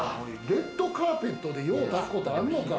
レッドカーペットで用を足すことあるのか。